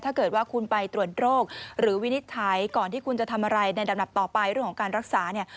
ถ้าเกิดว่าคุณไปตรวจโรคหรือวินิจฉัยก่อนที่คุณจะทำอะไรในลำดับต่อไปเรื่องของการรักษาเนี่ย